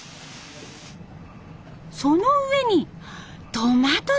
その上にトマトソース！